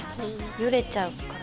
ヨレちゃうから。